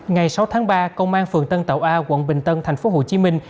ngày sáu tháng ba công an phường tân tạo a quận bình tân thành phố hồ chí minh